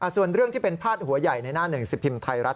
ส่วนเรื่องที่เป็นพาดหัวใหญ่ในหน้าหนึ่งสิบพิมพ์ไทยรัฐ